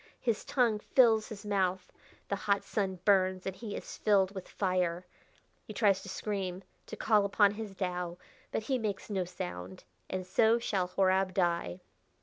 His tongue fills his mouth. The hot sun burns, and he is filled with fire. He tries to scream to call upon his Tao but he makes no sound.... And so shall Horab die."